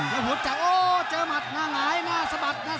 โหลูกหนี้สวยงาม